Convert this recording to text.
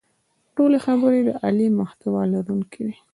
ټولې خبرې د عالي محتوا لرونکې وې.